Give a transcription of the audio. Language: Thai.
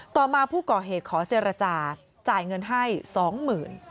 ต่อมาผู้ก่อเหตุขอเจรจาจ่ายเงินให้๒๐๐๐บาท